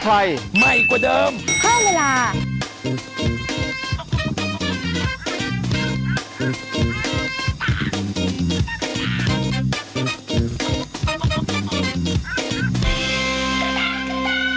ก็พาร์ทของความดีเลยครับคุณมิ้น